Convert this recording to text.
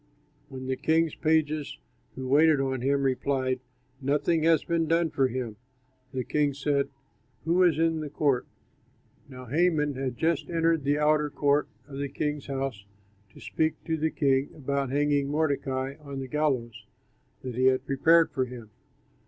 When the king's pages who waited on him replied, "Nothing has been done for him," the king said, "Who is in the court?" Now Haman had just entered the outer court of the king's house to speak to the king about hanging Mordecai on the gallows that he had prepared for him.